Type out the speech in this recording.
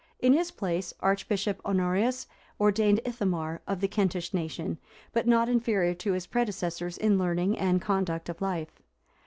In his place, Archbishop Honorius ordained Ithamar,(359) of the Kentish nation, but not inferior to his predecessors in learning and conduct of life.